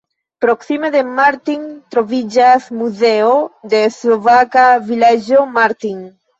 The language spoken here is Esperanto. Proksime de Martin troviĝas Muzeo de slovaka vilaĝo Martin.